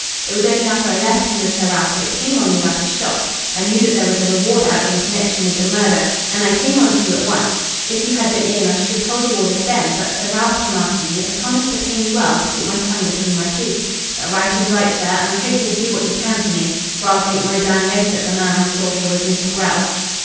It was only after I left him with Sir Ralph that it came on me like a shot. I knew that there was a reward out in connection with the murder, and I came on to you at once. If you had been in I should have told you all this then, but Sir Ralph came after me and promised to pay me well to keep my tongue between my teeth. But right is right, sir, and I hope you'll do what you can for me. For I'll take my dying oath that the man I saw here was Mr. Grell."